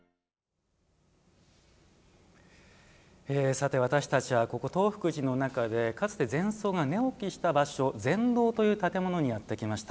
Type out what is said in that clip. さて私たちはここ東福寺の中でかつて禅僧が寝起きした場所禅堂という建物にやってきました。